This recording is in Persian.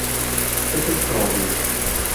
ست چاقو